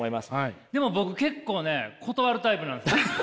でも僕結構ね断るタイプなんですよ。